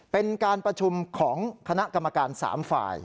เป็นการประชุมของคณะกรรมการ๓ฝ่าย